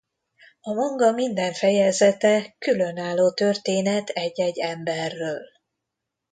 A manga minden fejezete különálló történet egy-egy emberről.